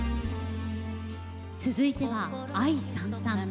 続いては「愛燦燦」。